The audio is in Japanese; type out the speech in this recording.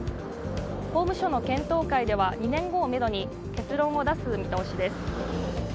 法務省の検討会では２年後をめどに結論を出す見通しです。